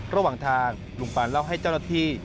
ระหว่างทางลุงปานเล่าให้เจ้าหน้าที่